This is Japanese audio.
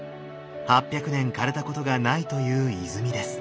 ８００年かれたことがないという泉です。